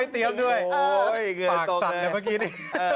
ไม่เตรียมด้วยปากต่ำอย่างเมื่อกี้ดิ